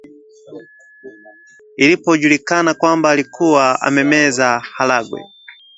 Ilipojulikana kwamba alikuwa amemeza haragwe